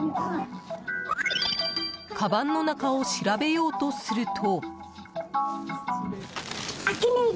かばんの中を調べようとすると。